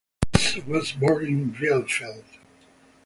Kunze was born in Bielefeld.